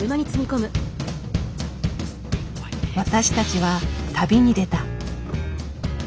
私たちは旅に出た。